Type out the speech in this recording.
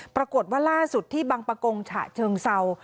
ปรากฏว่าล่าสุดที่บังปะกงฉะเชิงเศร้า